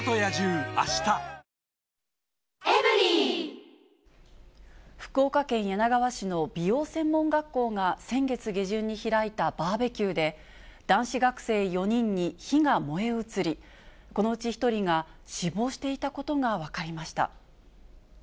ニトリ福岡県柳川市の美容専門学校が先月下旬に開いたバーベキューで、男子学生４人に火が燃え移り、このうち１人が死亡していたことが分かりました。